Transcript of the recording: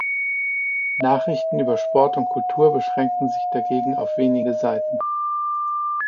Nachrichten über Sport und Kultur beschränken sich dagegen auf wenige Seiten.